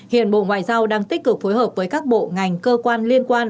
hiện bộ ngoại giao đang tích cực phối hợp với các bộ ngành cơ quan liên quan